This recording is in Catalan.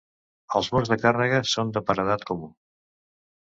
Els murs de càrrega són de paredat comú.